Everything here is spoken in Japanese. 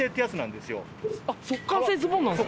速乾性ズボンなんですか？